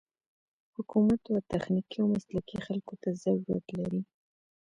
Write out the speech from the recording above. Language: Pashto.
حکومت و تخنيکي او مسلکي خلکو ته ضرورت لري.